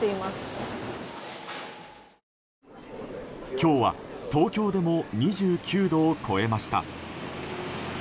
今日は東京でも２９度を超えました。